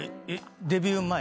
デビュー前？